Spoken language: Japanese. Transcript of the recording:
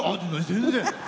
全然！